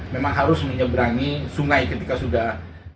memang harus menyeberangi sungai ketika sudah